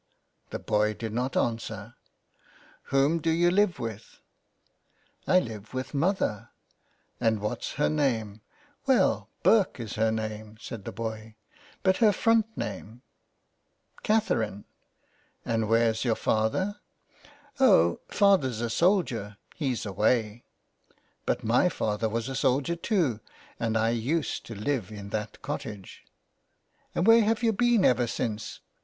The boy did not answer, " Whom do you live with ?"" I live with mother," " And what's her name ?^''' Well, Burke is her name," said the boy, '' But her front name ?"'' Catherine," " And Where's your father ?"" Oh, father's a soldier ; he's away." " But my father was a soldier too, and I used to live in that cottage." '* And where have you been ever since